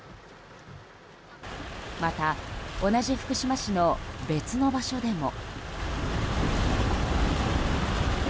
また、同じ福島市の別の場所でも。